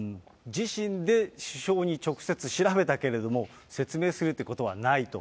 自身で首相に直接調べたけれども、説明するっていうことはないと。